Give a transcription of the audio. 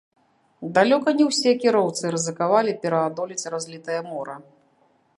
Далёка не ўсе кіроўцы рызыкавалі пераадолець разлітае мора.